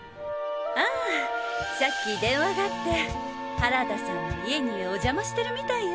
ああさっき電話があって原田さんの家にお邪魔してるみたいよ。